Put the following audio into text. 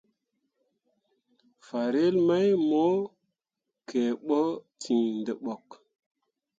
Farel mai mo kǝǝɓo ten dǝɓok.